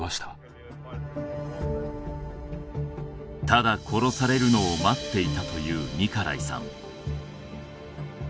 ただ殺されるのを待っていたというニカライさん